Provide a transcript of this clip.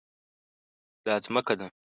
دا ځمکه ده